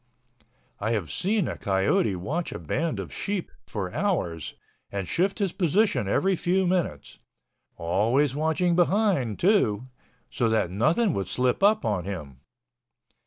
I have seen a coyote watch a band of sheep for hours and shift his position every few minutes—always watching behind, too, so that nothing would slip up on him.